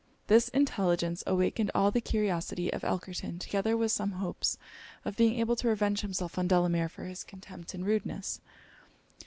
This intelligence awakened all the curiosity of Elkerton, together with some hopes of being able to revenge himself on Delamere for his contempt and rudeness.